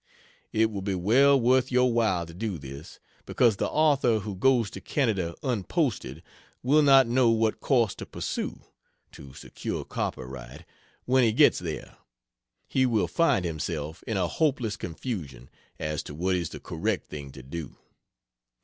It will be well worth your while to do this, because the author who goes to Canada unposted, will not know what course to pursue [to secure copyright] when he gets there; he will find himself in a hopeless confusion as to what is the correct thing to do.